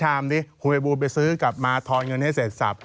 ให้ผมชามดิคุณพลัยบูนไปซื้อกลับมาทอนเงินให้เสร็จจับ